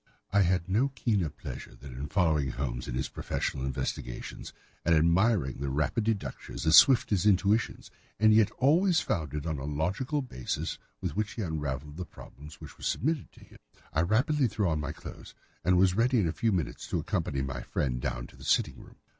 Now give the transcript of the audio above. I had no keener pleasure than in following Holmes in his professional investigations, and in admiring the rapid deductions, as swift as intuitions, and yet always founded on a logical basis with which he unravelled the problems which were submitted to him. I rapidly threw on my clothes and was ready in a few minutes to accompany my friend down to the sitting room.